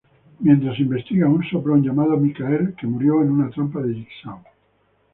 Mientras investiga a un soplón llamado Michael, que murió en una trampa de Jigsaw.